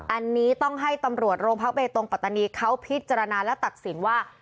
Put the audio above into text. อันนี้ต้องให้ตำรวจโรงพักเบตงปัตตานีเขาพิจารณาและตัดสินว่า